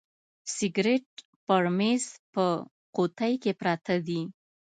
سګرېټ پر میز په قوطۍ کي پراته دي.